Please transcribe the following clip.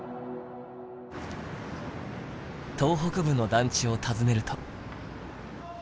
東北部の団地を訪ねると。